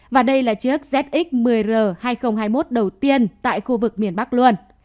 và đây là chiếc z một mươi r hai nghìn hai mươi một đầu tiên tại khu vực miền bắc luôn